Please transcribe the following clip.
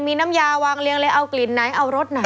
มีน้ำยาวางเรียงเลยเอากลิ่นไหนเอารสไหน